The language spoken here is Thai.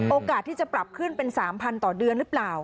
โอกาสที่จะปรับขึ้นเป็น๓๐๐ต่อเดือนหรือเปล่า